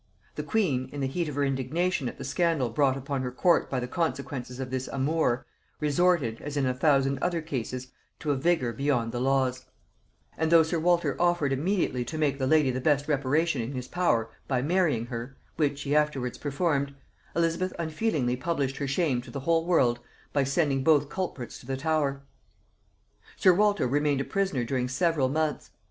The queen, in the heat of her indignation at the scandal brought upon her court by the consequences of this amour, resorted, as in a thousand other cases, to a vigor beyond the laws; and though sir Walter offered immediately to make the lady the best reparation in his power, by marrying her, which he afterwards performed, Elizabeth unfeelingly published her shame to the whole world by sending both culprits to the Tower. Sir Walter remained a prisoner during several months.